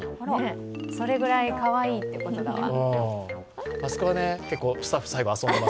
それくらい、かわいいいってことだわ。